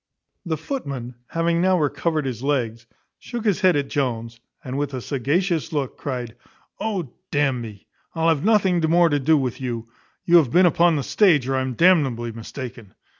The footman, having now recovered his legs, shook his head at Jones, and, with a sagacious look, cried "O d n me, I'll have nothing more to do with you; you have been upon the stage, or I'm d nably mistaken."